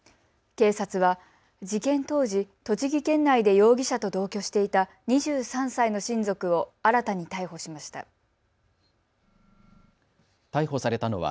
警察は事件当時、栃木県内で容疑者と同居していた２３歳の親族を新たに逮捕しました。